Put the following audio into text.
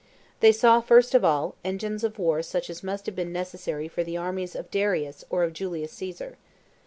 They saw, first of all, engines of war such as must have been necessary for the armies of Darius or Julius Caesar.